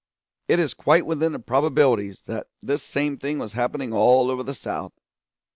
It is quite within the probabilities that this same thing was happening all over the South.